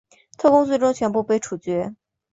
特工最终全部被处决。